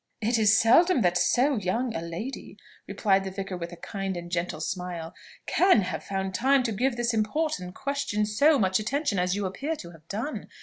"It is seldom that so young a lady," replied the vicar with a kind and gentle smile, "can have found time to give this important question so much attention as you appear to have done.